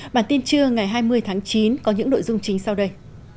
bản tin trưa ngày hai mươi tháng chín có những nội dung chính sau đây